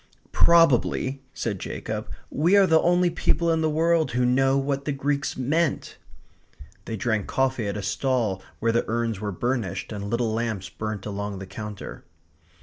"Probably," said Jacob, "we are the only people in the world who know what the Greeks meant." They drank coffee at a stall where the urns were burnished and little lamps burnt along the counter.